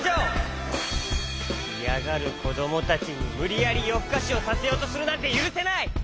いやがるこどもたちにむりやりよふかしをさせようとするなんてゆるせない！